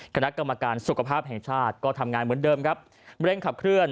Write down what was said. คณะกรรมการสุขภาพแห่งชาติก็ทำงานเหมือนเดิมครับเร่งขับเคลื่อน